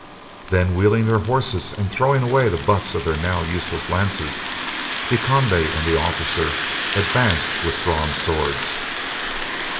Then, wheeling their horses and throwing away the butts of their now useless lances, De Conde and the officer advanced with drawn swords.